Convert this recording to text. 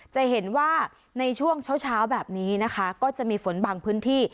จะเห็นว่าในช่วงเช้าแบบนี้นะคะก็จะมีฝนบางพื้นที่